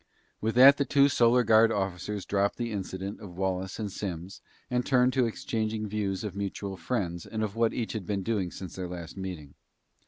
With that, the two Solar Guard officers dropped the incident of Wallace and Simms and turned to exchanging news of mutual friends and of what each had been doing since their last meeting.